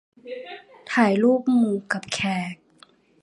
ถ่ายรูปหมู่กับแขก